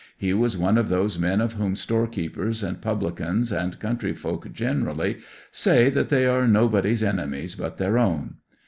He was one of those men of whom storekeepers and publicans, and country folk generally, say that they are nobody's enemies but their own.